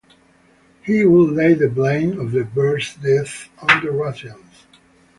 He would lay the blame of the bear's death on the Russians.